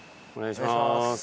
お願いします。